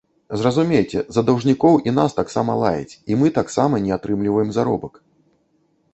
Зразумейце, за даўжнікоў і нас таксама лаяць, і мы таксама не атрымліваем заробак.